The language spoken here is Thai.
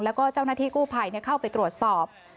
แล้วก็เจ้าหน้าที่กู้ภัยเข้าไปตรวจสอบ